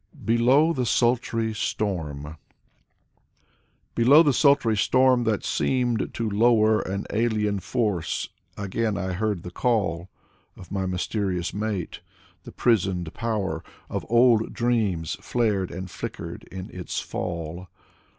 SO Vladimir Solovyov 51 " BELOW THE SULTRY STORM " Below the sultry storm that seemed to lower, An alien force, again I heard the call Of my mysterious mate : the prisoned power Of old dreams flared and flickered in its fall.